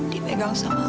dipegang sama aku